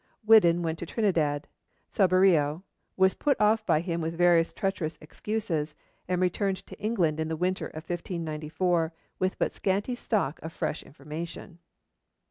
Whiddon went to Trinidad, saw Berreo, was put off by him with various treacherous excuses, and returned to England in the winter of 1594 with but a scanty stock of fresh information.